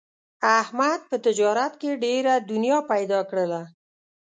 احمد په تجارت کې ډېره دنیا پیدا کړله.